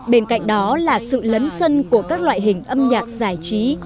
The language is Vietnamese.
bên cạnh đó là sự lấn sân của các loại hình âm nhạc giải trí